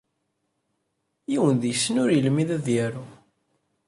Yiwen deg-sen ur yelmid ad yaru.